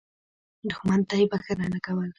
دښمن ته یې بخښنه نه کول.